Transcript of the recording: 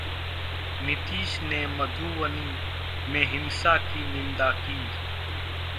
नीतीश ने मधुबनी में हिंसा की निंदा की